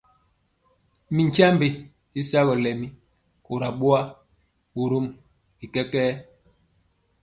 Mi tyiambe y sagɔ lɛmi kora boa, borom bi kɛkɛɛ.